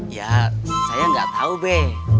ya saya gak tau be